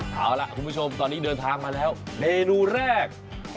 เอาล่ะคุณผู้ชมตอนนี้เดินทางมาแล้วเมนูแรก